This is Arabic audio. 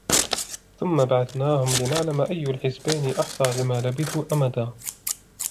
ثم بعثناهم لنعلم أي الحزبين أحصى لما لبثوا أمدا